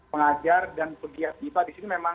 pengajar dan pegiat bipa disini memang